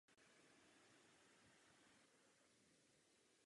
S fotbalem začal ve školním věku v akademii Derby County.